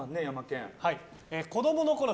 子供のころ